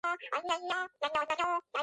ჩამონგრეულია სართულშუა გადახურვა.